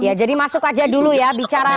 ya jadi masuk aja dulu ya bicara